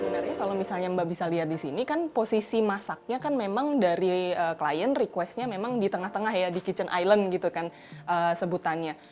sebenarnya kalau misalnya mbak bisa lihat di sini kan posisi masaknya kan memang dari klien requestnya memang di tengah tengah ya di kitchen island gitu kan sebutannya